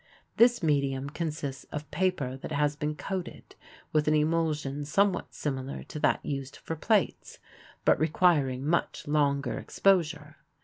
This medium consists of paper that has been coated with an emulsion somewhat similar to that used for plates, but requiring much longer exposure.